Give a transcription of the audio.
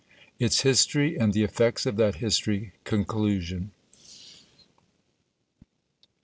ITS HISTORY, AND THE EFFECTS OF THAT HISTORY. CONCLUSION.